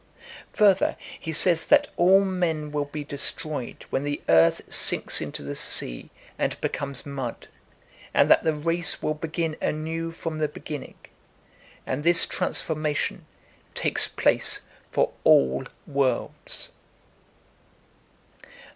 Farther he says that all men will be destroyed when the earth sinks into the sea and be comes mud, and that the race will begin anew from the be ginning ; andthis transformation takes place for all worlds.